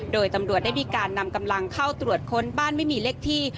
โดยตำรวจได้มีการนำกำลังเข้าตรวจค้นบ้านไม่มีเลขที่